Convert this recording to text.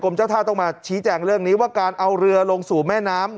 เจ้าท่าต้องมาชี้แจงเรื่องนี้ว่าการเอาเรือลงสู่แม่น้ำ